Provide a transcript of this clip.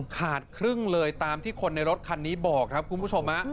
ขาดครึ่งเลยตามที่คนในรถคันนี้บอกครับคุณผู้ชม